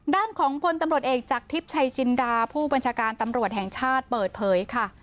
ด้านของพลตำรวจเอกจากทิพย์ชัยจินดาผู้บัญชาการตำรวจแห่งชาติเปิดเผยค่ะ